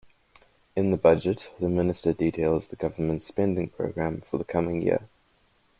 In the budget the Minister details the Government's spending programme for the coming year.